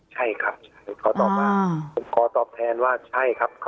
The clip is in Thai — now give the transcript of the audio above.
ใช่ครับขอตอบแทนว่าใช่ครับ